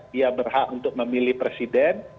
dia berhak untuk memilih presiden